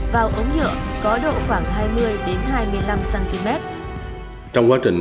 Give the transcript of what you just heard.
vào ống nhựa có độ khoảng hai mươi hai mươi năm cm